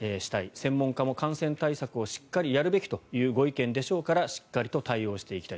専門家も感染対策をしっかりやるべきというご意見でしょうからしっかりと対応していきたい。